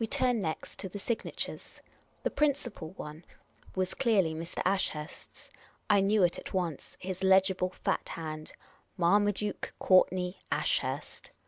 We turned next to the signatures. The princi pal one was clearly Mr. Ashurst's — I knew it at once — his legible fat hand, " Marmaduke Courtney Ashurst."